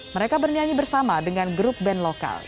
mereka bernyanyi bersama dengan grup band lokal